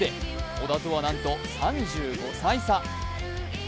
小田とはなんと３５歳差。